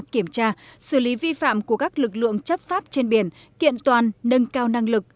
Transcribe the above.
kiểm tra xử lý vi phạm của các lực lượng chấp pháp trên biển kiện toàn nâng cao năng lực